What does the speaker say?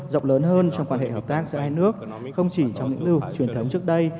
rộng lớn hơn trong quan hệ hợp tác giữa hai nước không chỉ trong lĩnh vực truyền thống trước đây